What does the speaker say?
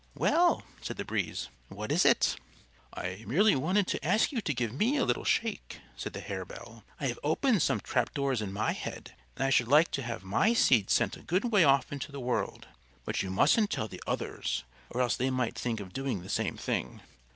"Well," said the Breeze, "what is it?" "I merely wanted to ask you to give me a little shake," said the Harebell. "I have opened some trap doors in my head, and I should like to have my seed sent a good way off into the world. But you musn't tell the others, or else they might think of doing the same thing."